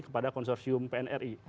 kepada konsorsium pnri